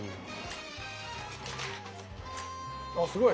あすごい。